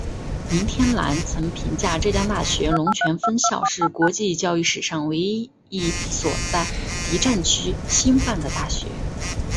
林天兰曾评价浙江大学龙泉分校是国际教育史上唯一一所在敌战区兴办的大学。